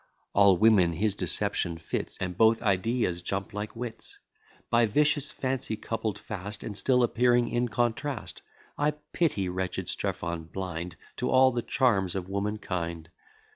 All women his description fits, And both ideas jump like wits; By vicious fancy coupled fast, And still appearing in contrast. I pity wretched Strephon, blind To all the charms of woman kind.